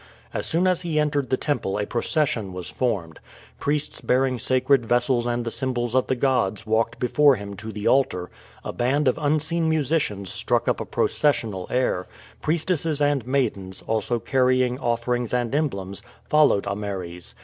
As soon as he entered the temple a procession was formed. Priests bearing sacred vessels and the symbols of the gods walked before him to the altar; a band of unseen musicians struck up a processional air; priestesses and maidens, also carrying offerings and emblems, followed Ameres.